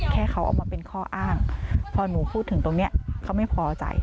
แค่เขาเอามาเป็นข้ออ้างพอหนูพูดถึงตรงนี้เขาไม่พอใจ